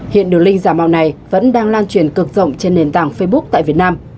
hiện đường link giảm màu này vẫn đang lan truyền cực rộng trên nền tảng facebook tại việt nam